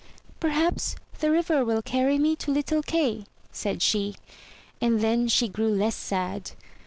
"Perhaps the river will carry me to little Kay," said she; and then she grew less sad.